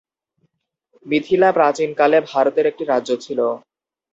মিথিলা প্রাচীন কালে ভারতের একটি রাজ্য ছিল।